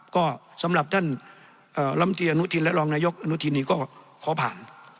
ก็สำหรับท่านลำตีอนุทินและรองนายกอนุทินนี่ก็ขอผ่าน